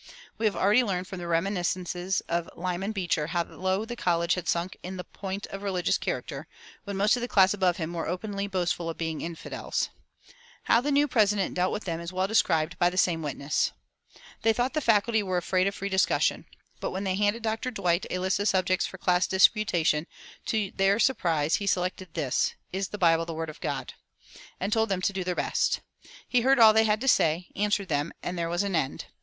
We have already learned from the reminiscences of Lyman Beecher how low the college had sunk in point of religious character, when most of the class above him were openly boastful of being infidels.[243:1] How the new president dealt with them is well described by the same witness: "They thought the faculty were afraid of free discussion. But when they handed Dr. Dwight a list of subjects for class disputation, to their surprise, he selected this: 'Is the Bible the word of God?' and told them to do their best. He heard all they had to say, answered them, and there was an end.